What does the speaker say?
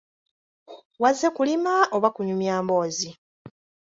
Wazze kulima oba kunyumya emboozi?